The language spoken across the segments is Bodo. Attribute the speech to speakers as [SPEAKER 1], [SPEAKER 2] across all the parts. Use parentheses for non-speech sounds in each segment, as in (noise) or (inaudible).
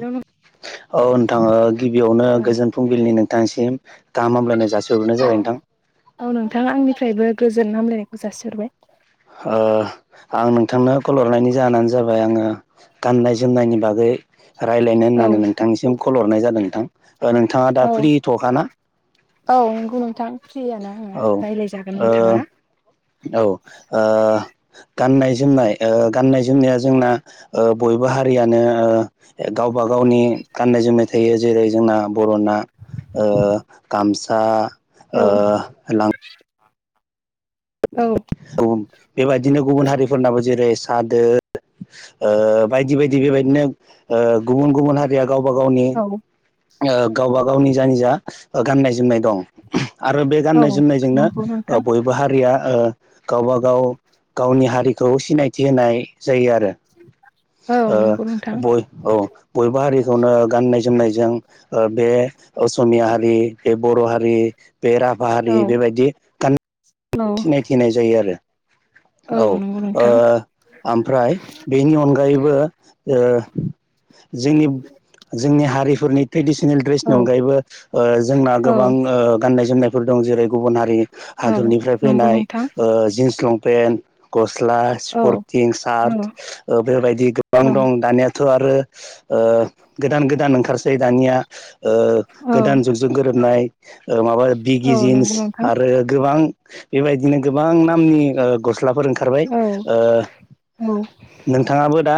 [SPEAKER 1] औ
[SPEAKER 2] औ नोंथां ओ गिबियावनो गोजोन फुंबिलिनि नोंथांनिसिम गाहाम हामलायनाय जासिहरग्रोनाय
[SPEAKER 1] औ
[SPEAKER 2] जाबाय नोंथां
[SPEAKER 1] औ नोंथां आंनिफ्रायबो गोजोन हामलायनायखौ जासिहरबाय
[SPEAKER 2] ओ आं नोंथांनो कल हरनायनि जाहोनानो जाबाय आङो गाननाय जोमनायनि बागै रायलायनो
[SPEAKER 1] औ
[SPEAKER 2] होननानै नोंथांनिसिम खल हरनाय जादों नोंथां ओ नोंथाङा दा
[SPEAKER 1] औ
[SPEAKER 2] फ्रि थ'खाना
[SPEAKER 1] औ नंगौ नोंथां फ्रियानो आङो
[SPEAKER 2] औ
[SPEAKER 1] रायलाय जागोन
[SPEAKER 2] ओ
[SPEAKER 1] नोंथाङा
[SPEAKER 2] औ ओ गाननाय जोमनाय ओ गाननाय जोमनाया जोंना ओ बयबो हारियानो ओ गावबा गावनि गाननाय जोमनाय थायो ‌। जेरै जोंना बर'ना ओ गामसा,
[SPEAKER 1] औ
[SPEAKER 2] ओ लां
[SPEAKER 1] औ
[SPEAKER 2] औ बेबायदिनो गुबुन हारिफोरनाबो जेरै सादो ओ बायदि बायदि बेबायदिनो ओ गुबुन गुबुन हारिया गावबा गावनि
[SPEAKER 1] औ
[SPEAKER 2] गावबा गावनि जा निजा गाननाय जोमनाय दं। आरो बे
[SPEAKER 1] औ
[SPEAKER 2] गाननाय जोमनाय जोंनो
[SPEAKER 1] नंगौ नोंथां
[SPEAKER 2] बयबो हारिया ओ गावब गाव गावनि हारिखौ सिनायथि होनाय जायो आ
[SPEAKER 1] औ
[SPEAKER 2] ओ
[SPEAKER 1] नंगौ नोंथां
[SPEAKER 2] बय औ बयबो हारिखौनो गाननाय जोमनायजों बे असमिया हारि बे बर' हारि बे राभा
[SPEAKER 1] औ
[SPEAKER 2] हारि बेबायदि
[SPEAKER 1] औ
[SPEAKER 2] सिनायथिनाय जायो आरो औ
[SPEAKER 1] नंगौ नोंथां
[SPEAKER 2] ओ ओमफ्राय बेनि अनगायैबो जोंनि जोंनि हारिफोरनि ट्रेडिसनेल
[SPEAKER 1] औ
[SPEAKER 2] ड्रेसनि अनगायैबो ओ जोंना
[SPEAKER 1] औ
[SPEAKER 2] गोबां ओ गाननाय जोमनाय दं जेरै गुबुन हारि
[SPEAKER 1] औ
[SPEAKER 2] हादरनिफ्राय
[SPEAKER 1] नंगौ
[SPEAKER 2] फैनाय
[SPEAKER 1] नोंथां
[SPEAKER 2] ओ जिन्स लंपे पेन्ट गस्ला
[SPEAKER 1] औ
[SPEAKER 2] स्पर्थिं
[SPEAKER 1] औ
[SPEAKER 2] सार्ट ओ बेबायदि गोबां
[SPEAKER 1] औ
[SPEAKER 2] दं दानिया थ' आरो ओ गोदान गोदान ओंखारसै दानिया ओ गोदान जुगजों गोरोबनाय ओ माबा बिगि
[SPEAKER 1] औ
[SPEAKER 2] जिन्स
[SPEAKER 1] नंगौ नोंथां
[SPEAKER 2] आरो गोबां बेबायदिनो गोबां नामनि ओ गस्लाफोर ओंखारबाय
[SPEAKER 1] औ
[SPEAKER 2] ओ
[SPEAKER 1] औ
[SPEAKER 2] नोंथाङाबो दा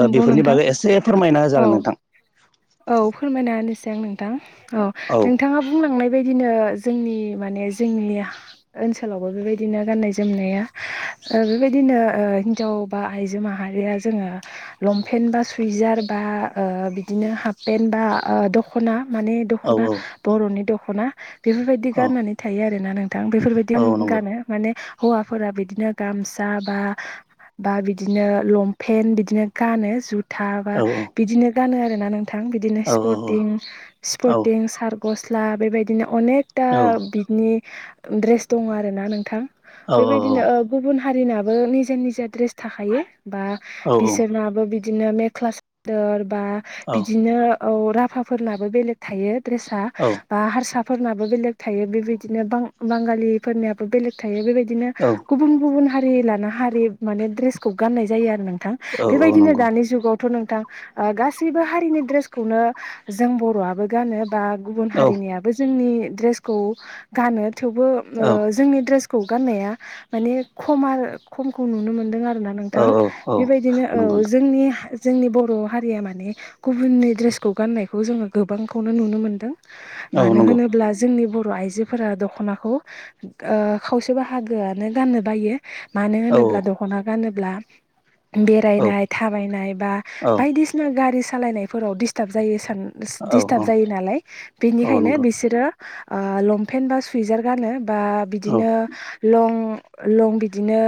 [SPEAKER 1] नंगौ
[SPEAKER 2] बेफोरनि
[SPEAKER 1] नोंथां
[SPEAKER 2] बागै एसे फोरमायना
[SPEAKER 1] औ
[SPEAKER 2] होजागोन नोंथां।
[SPEAKER 1] औ फोरमायना होनोसै आं नोंथां औ नोंथाङा बुंलांनाय बेबायदिनो जोंनि माने जोंनि ओनसोलावबो बेबायदिनो गाननाय जोमनाया ओ बेबायदिनो ओ हिनजाव बा आइजो माहारिया जोङो लंपेन्ट बा सुइजार बा ओ बिदिनो हा पेन बा ओ- दख'ना माने
[SPEAKER 2] औ
[SPEAKER 1] दख'ना बर'नि दख'ना बेफोरबायदि
[SPEAKER 2] औ
[SPEAKER 1] गाननानै थायो आरो ना नोंथां बेफोरबायदि
[SPEAKER 2] औ नंगौ
[SPEAKER 1] गानो माने हौवाफोरा बिदिनो गामसा बा बा बिदिनो लंपेन्ट बिदिनो गानो जु था बा
[SPEAKER 2] औ
[SPEAKER 1] बिदिनो गानो आरोना नोंथां बिदिनों
[SPEAKER 2] औ औ
[SPEAKER 1] स्पर्टिं सारत गस्ला बेबायदिनो अनेकथा
[SPEAKER 2] औ
[SPEAKER 1] बिदिनि दड्रेस दंङ आरोना नोंथां।
[SPEAKER 2] औ
[SPEAKER 1] बेबायदिनो ओ- गुबुन हारिनाबो निजा निजा ड्रेस थाखायो। बा बिसोरनाबो बिदिनो मेख्ला सादोर बा बिदिनो औ राभाफोर नाबो बेलेग थायो द्रेसा बा हारसा फोरनाबो बेलेग थायो बेबायदिनो बां बांगालिफोरनियाबो बेलेग थायो बेबायदि बिदिनो
[SPEAKER 2] औ
[SPEAKER 1] गुबुन गुबुन हारि लाना हारि माने द्रेसखौ गाननाय जायो आरो नों थां
[SPEAKER 2] औ औ
[SPEAKER 1] बेबायदिनो
[SPEAKER 2] नंगौ
[SPEAKER 1] दानि जुगावथ' नोंथां गासैबो हा रिनि द्रेसखौनो जों बर'आबो गानो बा गुबुन
[SPEAKER 2] औ
[SPEAKER 1] हारिनियाबो जोंनि द्रेसखौ गानो थेवबो
[SPEAKER 2] औ
[SPEAKER 1] ओ जोंनि द्रेस खौ गान्नाया माने खम आरो खमखौ नुनो मोनदों आरो।
[SPEAKER 2] औ
[SPEAKER 1] नोंथां बेबायदिनो
[SPEAKER 2] नंगौ
[SPEAKER 1] औ जोंनि जोंनि बर' हारिया माने गुबुननि ड्रेसखौ गाननायखौ जोङो गोबांखौनो नुनो मोन्दों
[SPEAKER 2] औ
[SPEAKER 1] मानो
[SPEAKER 2] नंगौ
[SPEAKER 1] होनोब्ला जोंनि बर' बर आइजोफोरा दख'नाखौ ओ खावसे बाहागोआनो गाननो बायो। मानो
[SPEAKER 2] औ
[SPEAKER 1] होनोब्ला दख'ना गानोब्ला
[SPEAKER 2] औ
[SPEAKER 1] बेरायनाय थाबायनाय बा
[SPEAKER 2] औ
[SPEAKER 1] बायदिसिना गारि सालायनायफोराव डिस्टार्ब जायो सान दिस्टार्ब जायो नालाय बेनिखायनो
[SPEAKER 2] नंगौ
[SPEAKER 1] बिसोरो लंपेन्ट बा सुइजार गानो बा
[SPEAKER 2] औ
[SPEAKER 1] बिदिनो लं लं बिदिनो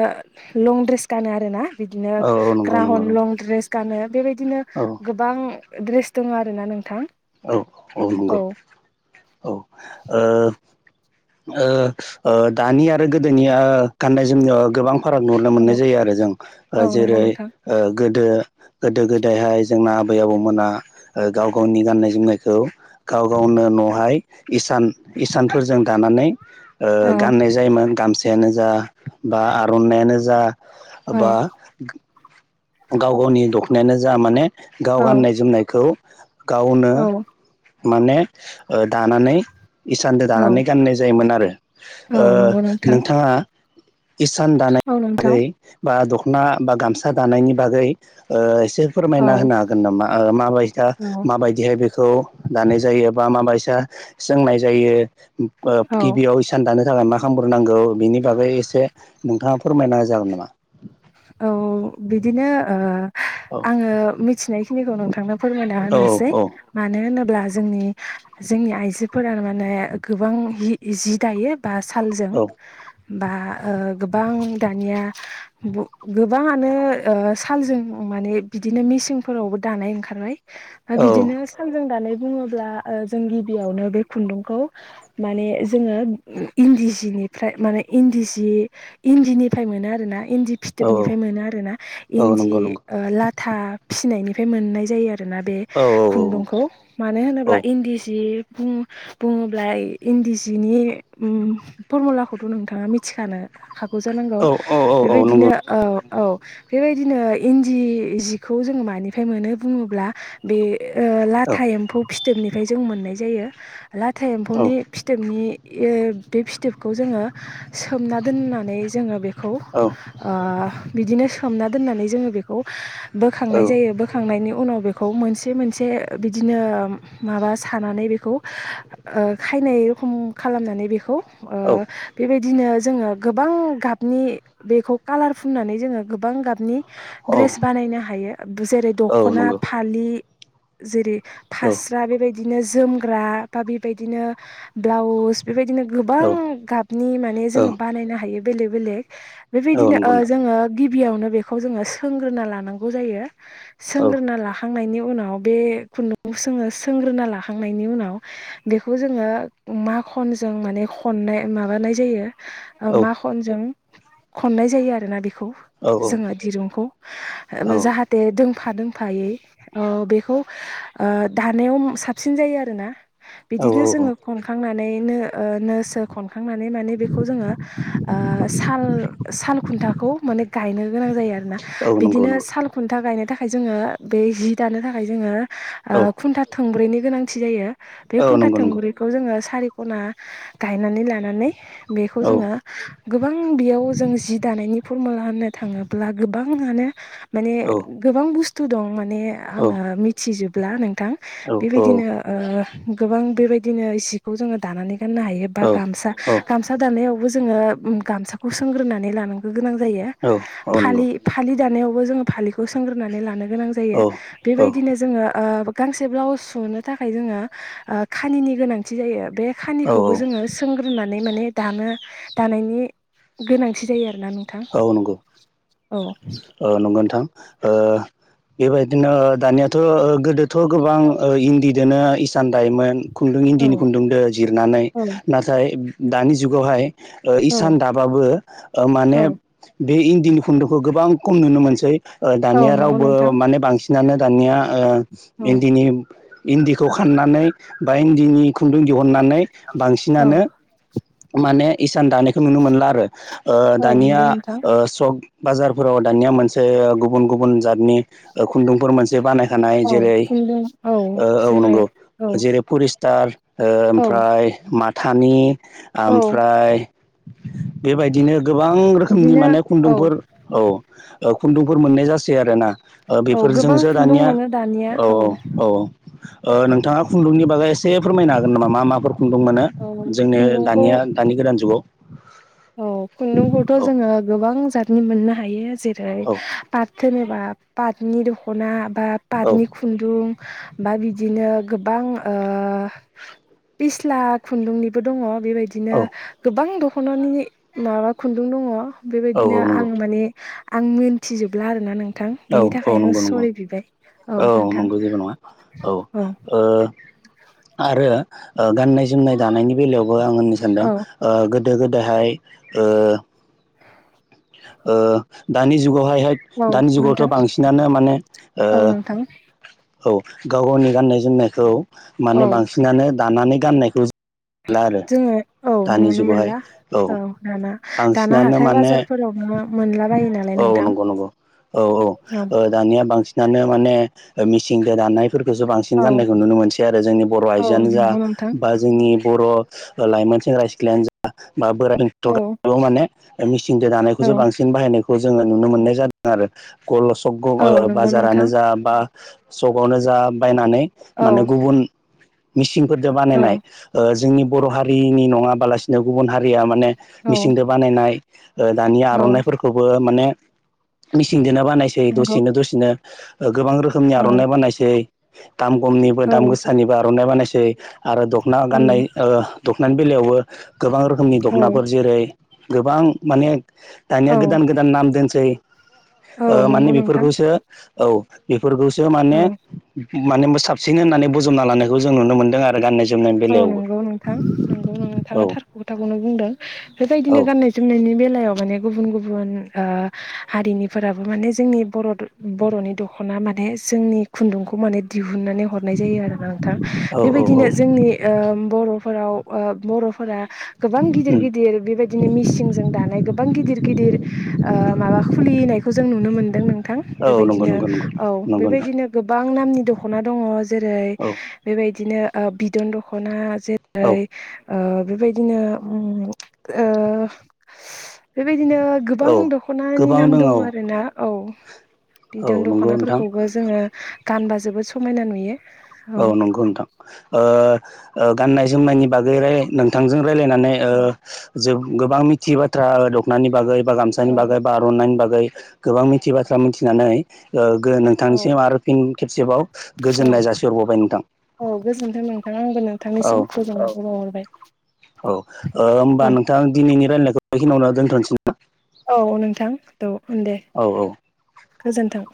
[SPEAKER 1] लं द्रेस गानो आरोना
[SPEAKER 2] औ
[SPEAKER 1] बिदिनो
[SPEAKER 2] औ नंगौ नंगौ
[SPEAKER 1] ग्राहन
[SPEAKER 2] नंगौ
[SPEAKER 1] लं द्रेस गानो बेबायदिनो
[SPEAKER 2] औ
[SPEAKER 1] दड्रेस दङ आरो ना नोंथां।
[SPEAKER 2] औ औ नंगौ औ ओ ओ ओ दानि आरो गोदोनिया गाननाय जोमनायाव गोबां फाराग नुनो मोननाय
[SPEAKER 1] औ
[SPEAKER 2] जायो आरो जों ओ
[SPEAKER 1] औ नंगौ
[SPEAKER 2] जेरै
[SPEAKER 1] नोंथां
[SPEAKER 2] ओ गोदो गोदो गोदायहाय जोंना आबै आबौमोना गाव गावनि गाननाय जोमनायखौ गाव गावनो न'आवहाय इसान इसानफोरजों दानानै ओ-
[SPEAKER 1] औ
[SPEAKER 2] गाननाय जायोमोन गामसा थायानो जा बा आर'नायइानो जा बा
[SPEAKER 1] औ
[SPEAKER 2] गाव गावनि दख'नायानो जा माने गाव
[SPEAKER 1] औ
[SPEAKER 2] गाननाय जोमनायखौ गावनो
[SPEAKER 1] औ
[SPEAKER 2] माने ओ- दानानै इसानदो दानानै
[SPEAKER 1] औ
[SPEAKER 2] गाननाय जायोमोन आरो
[SPEAKER 1] औ
[SPEAKER 2] ओ-
[SPEAKER 1] नंगौ नोंथां
[SPEAKER 2] नोंथाङा इसान दानायनि
[SPEAKER 1] औ नोंथां
[SPEAKER 2] बागै बा दख'ना बा गामसा दानायनि बागै ओ-
[SPEAKER 1] औ
[SPEAKER 2] फोरमायना होनो हागोन नामा ओ- माबायसा
[SPEAKER 1] औ
[SPEAKER 2] माबायदिहाय बेखौ दानाय जायो बा माय सोंनाय जायो ओ
[SPEAKER 1] औ
[SPEAKER 2] गिबियाव इसान दानो मा खालामग्रोनांगौ बेनि बागै एसे नोंथाङा फोरमायना होजागोन नामा
[SPEAKER 1] औ बिदिनो ओ-
[SPEAKER 2] औ
[SPEAKER 1] आङो मिथिनायखिनिखौ नों फोरमायना
[SPEAKER 2] औ
[SPEAKER 1] होनोसै मानो होनोब्ला जोंनि जोंनि आइजोफोर माने गोबां जि दायो बा सालजों बा ओ गोबां दानिया गोबाङानो ओ सालजों माने बिदिनो मेसिंनफोरावबो दानाय ओंखारबाय बिदिनो सानजों दानाय बुङोब्ला ओ जों गिबियावनो बे खुन्दुंखौ माने जोङो इनदिजि बेनिफ्राय माने इन्दि सि इन्दिनिफ्राय मोनो आरोना इन्दि
[SPEAKER 2] औ
[SPEAKER 1] फिथोबनिफ्राय मोनो आरोना
[SPEAKER 2] औ
[SPEAKER 1] इन्दि
[SPEAKER 2] नंगौ नंगौ
[SPEAKER 1] ओ लाथा फिनायनिफ्राय मोननाय जायो आरो आरोना बे
[SPEAKER 2] औ
[SPEAKER 1] खुन्दुंखौ मानो
[SPEAKER 2] औ
[SPEAKER 1] होनोब्ला इन्दि सि बुं बुङोब्ला इन्दि सिनि उम- फरमुलाखौथ' नोंथाङा मिथिखानो हागौ जानांगौ
[SPEAKER 2] औ औ औ
[SPEAKER 1] बेबायदिनो
[SPEAKER 2] नंगौ
[SPEAKER 1] ओ औ औ बेबायदिनो इन्दि जिखौ जोङो मानिफ्राय मोनो बुङोब्ला बे
[SPEAKER 2] औ
[SPEAKER 1] ओ-लाथा एम्फौ फिथोबनिफ्राय जों मोननाय जायो लाथा एम्फौनि फिथोबनि बे फिथोबखौ जोङो सोमना नानै जोङो बेखौ
[SPEAKER 2] औ
[SPEAKER 1] ओ- बिदिनो सोमना दोननानै जोङ बेखौ बोखांनाय
[SPEAKER 2] औ औ नंगौ
[SPEAKER 1] जायो बोखांनायनि उनाव बे खौ मोनसे मोनसे बिदिनो माबा सानानै बेखौ ओ खायनाय खम खालामनानै बेखौ ओ- बेबायदिनो जोङो गोबां गाबनि बेखौ कालार फुुननानै जोङो गोबां गाब नि ड्रेस बानायनो हायो जेरै दख'ना फालि जेरै
[SPEAKER 2] औ
[SPEAKER 1] फास्रा बेबायदिनो जोमग्रा बा बेबायदिनो ब्लाउस बेबायदिनो गोबां
[SPEAKER 2] औ
[SPEAKER 1] गाबनि माने
[SPEAKER 2] औ
[SPEAKER 1] जोङो बानायनो हायो बेलेग बेलेक
[SPEAKER 2] औ
[SPEAKER 1] बेबायदिनो ओ
[SPEAKER 2] नंगौ नोंथां
[SPEAKER 1] जोङो गिबियावनो बेखौ जोङो सोंग्रोना लानांगौ जायो।
[SPEAKER 2] औ
[SPEAKER 1] सोंग्रोना लाखांनायनि उ उनाव बे खुन्दुं जोङो सोंग्रोना लाखांनायनि उनाव बेखौ जोङो मा खनजों माने खननाय माबानाय जायो
[SPEAKER 2] औ
[SPEAKER 1] मा खनजों खननाय जायो आरोना बेखौ जोङो दिरुंखौ जाहाथे दों फादों फायै ओ- बेखौ ओ- दानायाव साबसिन जायो आरोना
[SPEAKER 2] औ
[SPEAKER 1] बिदिनो जोङो खनखांनानैनो। ओ- नो सो खनखांनानै माने बेखौ जोङो आ- साल साल खुन्थाखौ माने गायनो गोनां जायो आरोना
[SPEAKER 2] औ नंगौ
[SPEAKER 1] बिदिनो
[SPEAKER 2] नंगौ
[SPEAKER 1] साल खुन्था गायनो थाखाय थाखाय जोङो बे जि दानो थाखाय जोङो
[SPEAKER 2] औ
[SPEAKER 1] खुन्था थोंब्रैनि गोनांथि जायो बे
[SPEAKER 2] औ
[SPEAKER 1] खुन्था
[SPEAKER 2] नंगौ नंगौ
[SPEAKER 1] थोंब्रैखौ जोङो सारि खना गायनानै लानानै बेखौ
[SPEAKER 2] औ
[SPEAKER 1] जोङो गोबां बेयाव जों जि फरमुला होननो थाङोब्ला गोबाङनो मान
[SPEAKER 2] औ
[SPEAKER 1] गोबां बुस्थु दं माने
[SPEAKER 2] औ
[SPEAKER 1] आङो मिथिजोबब्ला नोंथां
[SPEAKER 2] औ
[SPEAKER 1] बेबायदिनो ओ गोबां बेबायदिनो इसिखौ जोङो दानानै गाननो हायो बा
[SPEAKER 2] औ
[SPEAKER 1] गामसा गामसा दानायावबो जों जोंडों गामसाखै सोंग्रोनानै लानांगौ गोनां जायो
[SPEAKER 2] औ औ नंगौ
[SPEAKER 1] फालि फालि दानायावबो जों फालिखौ सोंग्रोननानै लानो गोनां जायो
[SPEAKER 2] औ औ
[SPEAKER 1] बेबायदिनो जोङो ओ गांसे ब्लाउस सुनो थाखाय जोङो ओ खानिनि गोनांथि जायो बे खानिखौबो जोङो सोंग्रोनानै माने दानो दानायनि गोनांथि जायो आरो
[SPEAKER 2] औ नंगौ औ नंगौ नोंथां ओ बेबायदिनो दानियाथ' गोदोथ' गोबां
[SPEAKER 1] औ
[SPEAKER 2] इन्दि बिदिनो इसान दायमोन खुन्दुं इन्दिनि खुन्दुं दो जिरनानै
[SPEAKER 1] औ
[SPEAKER 2] नाथाय दानि जुगावहाय
[SPEAKER 1] औ
[SPEAKER 2] इसान दाबाबो ओ माने
[SPEAKER 1] औ
[SPEAKER 2] बे इन्दिनि खुन्दुंखौ गोबां खम नुनो मोनसै
[SPEAKER 1] औ
[SPEAKER 2] दानिया
[SPEAKER 1] नंगौ
[SPEAKER 2] रावबो
[SPEAKER 1] नोंथां
[SPEAKER 2] माने बांसिनानो दानिया आ
[SPEAKER 1] औ
[SPEAKER 2] इन्दिखौ खाननानै बा इन्दिनि खुन्दुं दिह अननानै
[SPEAKER 1] औ
[SPEAKER 2] बांसिनानो माने इसान दानायखौ नुनो मोनला आरो ओ
[SPEAKER 1] औ
[SPEAKER 2] दानिया
[SPEAKER 1] नंगौ नोंथां
[SPEAKER 2] ओ सब बाजारफोराव दानिया मोनसे गुबुन गुबुन जातनि ओ खुन्दुंफोर मोनसे बानायखानाय
[SPEAKER 1] औ
[SPEAKER 2] जेरै
[SPEAKER 1] खुन्दुं औ
[SPEAKER 2] ओ- औ
[SPEAKER 1] जेरै
[SPEAKER 2] नंगौ
[SPEAKER 1] औ
[SPEAKER 2] जेरै पुरिस् टार ओ-
[SPEAKER 1] औ
[SPEAKER 2] ओमफ्राय माथानि
[SPEAKER 1] औ
[SPEAKER 2] ओमफ्राय बेबायदिनो गोबां रोखोमनि
[SPEAKER 1] बिदिनो
[SPEAKER 2] माने
[SPEAKER 1] औ
[SPEAKER 2] खुन्दुंफोर औ ओ खुन्दुंफोर मोननाय जासै आरो ना ओ-
[SPEAKER 1] औ गोबां
[SPEAKER 2] बेफोरजोंसो
[SPEAKER 1] खुन्दुं
[SPEAKER 2] दानिया
[SPEAKER 1] मोनो दानिया
[SPEAKER 2] औ औ औ औ ओ- नोंथाङा खुन्दुंनि बागै एसे फोरमायनो हागोन नामा मा माफोर खुन्दुं मोनो
[SPEAKER 1] औ
[SPEAKER 2] जोंनि
[SPEAKER 1] खुन्दुंखौ
[SPEAKER 2] दानिया दानि गोदान जुगाव
[SPEAKER 1] औ खुन्दुंखौथ'
[SPEAKER 2] औ
[SPEAKER 1] जोङो गोबां जातनि मोननो हायो जेरै
[SPEAKER 2] औ
[SPEAKER 1] पात जेनेबा पाटनि दख'ना बा
[SPEAKER 2] औ
[SPEAKER 1] पाटनि खुन्दुं बा बिदिनो गोबां पिस्ला खुन्दुंनिबो दङ। बेबायदिनो
[SPEAKER 2] औ
[SPEAKER 1] गोबां दख'नानि माबा खुन्दुं दङ
[SPEAKER 2] औ
[SPEAKER 1] बेबायदिनो
[SPEAKER 2] औ नंगौ
[SPEAKER 1] आं माने आं मोनथिजोबला आरोना नों नोंथां
[SPEAKER 2] औ
[SPEAKER 1] बिनि
[SPEAKER 2] औ
[SPEAKER 1] थाखायनो
[SPEAKER 2] नंगौ नंगौ
[SPEAKER 1] सरि बिबाय।
[SPEAKER 2] औ नंगौ जेबो नङा औ। आरो गाननाय जोमनाय दानायनि बेलायावबो आं होननो सानदों
[SPEAKER 1] औ
[SPEAKER 2] गोदो गोदहाय ओं दानि दानि जुगावाहाय
[SPEAKER 1] औ
[SPEAKER 2] दानि जुगावथ'
[SPEAKER 1] नोंथां
[SPEAKER 2] बांसिनानो माने औ गाव गावनि गाननाय जोमनायखौ माने
[SPEAKER 1] औ
[SPEAKER 2] बांसिनानो दानानै गाननायखौ नुला आरो
[SPEAKER 1] जोङो औ
[SPEAKER 2] दानि
[SPEAKER 1] नुनो
[SPEAKER 2] जुगावहाय
[SPEAKER 1] मोनला
[SPEAKER 2] औ
[SPEAKER 1] दाना दाना
[SPEAKER 2] बांसिनानो
[SPEAKER 1] हाथाय
[SPEAKER 2] माने
[SPEAKER 1] बाजारफोरावनो मोनलाबायो नालाय
[SPEAKER 2] औ
[SPEAKER 1] नोंथां
[SPEAKER 2] नंगौ नंगौ औ औ ओ दानि बांसिनानो माने मेसिनजों दानाय फोरखौसो बांसिन
[SPEAKER 1] औ
[SPEAKER 2] गान्नायखौ नुनो मोनसै आरो जोंनि बर'
[SPEAKER 1] औ
[SPEAKER 2] आइजोआनो जा
[SPEAKER 1] नंगौ नोंथां
[SPEAKER 2] बा जोंनि बर' लाइमोन सेंग्रा सिख्लायानो जा बा बोराइ बेनथ
[SPEAKER 1] औ
[SPEAKER 2] गासिबो माने मिसिंजों
[SPEAKER 1] औ
[SPEAKER 2] दानायखौसो बांसिन बाहायनायखौ जोङो नुनो मोननाय जादों आरो गल'
[SPEAKER 1] औ
[SPEAKER 2] सक
[SPEAKER 1] नंगौ
[SPEAKER 2] बाजारानो
[SPEAKER 1] नोंथां
[SPEAKER 2] जा बा सकआवनो जा बायनानै
[SPEAKER 1] औ
[SPEAKER 2] माने गुबुन मिसिनफोरजों
[SPEAKER 1] औ
[SPEAKER 2] बानायनाय जोंनि बर' हारिनि नङाबालासिनो गुबुन हारिया माने
[SPEAKER 1] औ
[SPEAKER 2] मिसिंजों बानायनाय दानि
[SPEAKER 1] औ
[SPEAKER 2] आर'नाइफोरखौबो माने मेसिजोंनो बानायसै
[SPEAKER 1] नंगौ
[SPEAKER 2] दसेनो दसेनो। गोबां रोखोमनि
[SPEAKER 1] औ
[SPEAKER 2] आर'नाइ बानायसै दाम खमनिबो
[SPEAKER 1] औ
[SPEAKER 2] दाम गोसानिबो आर'नाइ बानायसै आरो दखना
[SPEAKER 1] औ
[SPEAKER 2] गाननाय दखनानि बेलायावबो गोबां रोखोमनि
[SPEAKER 1] औ
[SPEAKER 2] दख'नाफोर जेरै गोबां माने दानिया
[SPEAKER 1] औ
[SPEAKER 2] गोदान गोदान नाम दोनसै।
[SPEAKER 1] औ
[SPEAKER 2] माने
[SPEAKER 1] नंगौ नोंथां
[SPEAKER 2] बेफोरखौसो औ बेफोरखौसो माने
[SPEAKER 1] औ
[SPEAKER 2] माने साबसिन होन्नानै बजबना लानायखौ जों नुनो मोनदों आरो गाननाय जोमनायनि
[SPEAKER 1] औ
[SPEAKER 2] बेलायावबो
[SPEAKER 1] नंगौ नोंथां नोंगौ
[SPEAKER 2] औ
[SPEAKER 1] नोंथाङा थार खोथाखौनो बुंदों।
[SPEAKER 2] औ
[SPEAKER 1] बेबायदिनो गान्नाय जोमनायनि बेलायाव माने गुबुन गुबुन ओ हारिनिफोराबो माने जोंनि बर'नि दख'ना मा माने जोंनि खुन्दुंखौ माने दिहुननानै हरनाय जायो आरो नोंथां
[SPEAKER 2] औ औ औ
[SPEAKER 1] बेबायदिनो जोंनि बर'फोराव बर'फोरा गोबां गिदिर
[SPEAKER 2] उम
[SPEAKER 1] गिदिर बेबायदिनो मिसिंजों दानाय गोबां गिदिर गिदिर माबा खुलि फनायखौ जों नुनो मोनो। नोंथां
[SPEAKER 2] औ नंगौ
[SPEAKER 1] बेबायदिनो
[SPEAKER 2] नंगौ नंगौ
[SPEAKER 1] औ
[SPEAKER 2] नंगौ नोंथां
[SPEAKER 1] बेबायदिनो गोबां नामनि दख'ना दङ जेरै
[SPEAKER 2] औ
[SPEAKER 1] बेबायदि बिदिनो बिदन दखना
[SPEAKER 2] औ
[SPEAKER 1] जेरै ओ बेबायदिनो उम ओ बेबाय बिदिनो
[SPEAKER 2] औ
[SPEAKER 1] गोबां दख'नानि
[SPEAKER 2] गोबां
[SPEAKER 1] नाम दङ
[SPEAKER 2] औ
[SPEAKER 1] आरोना औ बिदों
[SPEAKER 2] नंगौ नोंथां
[SPEAKER 1] दख'नाफोरखौबो जोङो गानबा जोबोद समायना नुयो।
[SPEAKER 2] औ नंगौ नोंथां ओ गाननाय जोमनायनि बागै राय नोंथांजों रायलायनानै ओ गोबां मिथियो बाथ्रा दखनानि बागै बा गामानि
[SPEAKER 1] औ
[SPEAKER 2] बागै बा आर'नाइनि बागै गोबां मिथियै बाथ्रा मिथिनानै
[SPEAKER 1] औ
[SPEAKER 2] नोंथांसिम आरो फिन खेबसेबाव
[SPEAKER 1] औ
[SPEAKER 2] गोजोननाय जासि
[SPEAKER 1] औ गोजोन्थों नोंथां आंबो
[SPEAKER 2] औ
[SPEAKER 1] नोंथांनिसिम गोजोननाय (unintelligible) हरबाय।
[SPEAKER 2] औ होमबा नोंथां दिनैनि रायलायनायखौ बेखिनियावनो दोन्थ'नोसै ना?
[SPEAKER 1] औ नोंथां थ'।
[SPEAKER 2] औ औ।
[SPEAKER 1] गोजोन्थों।